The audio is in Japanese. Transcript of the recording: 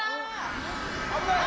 危ない！